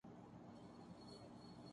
تودوسرے کی نفی کردیتا ہے۔